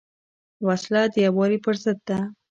وسله د یووالي پر ضد ده